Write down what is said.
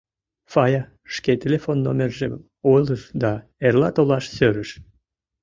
Фая шке телефон номержым ойлыш да эрла толаш сӧрыш.